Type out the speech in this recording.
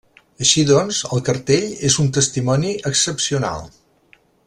Així doncs, el cartell és un testimoni excepcional.